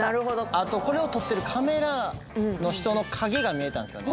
あとこれを撮ってるカメラの人の影が見えたんすよね。